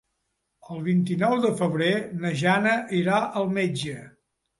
El vint-i-nou de febrer na Jana irà al metge.